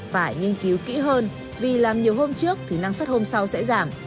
phải nghiên cứu kỹ hơn vì làm nhiều hôm trước thì năng suất hôm sau sẽ giảm